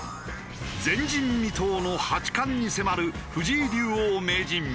前人未踏の八冠に迫る藤井竜王・名人。